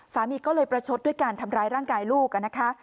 สามีก็เลยประชดด้วยการทำร้ายร่างกายลูกนะคะ